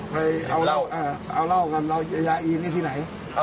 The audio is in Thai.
ไปเอาเหล้ากันเอายาอีนให้ที่ไหน